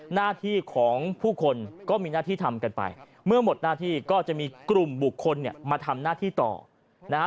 หน้าที่ของผู้คนก็มีหน้าที่ทำกันไปเมื่อหมดหน้าที่ก็จะมีกลุ่มบุคคลเนี่ยมาทำหน้าที่ต่อนะฮะ